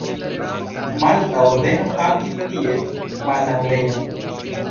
Malta Ordeno havis tie malsanulejon.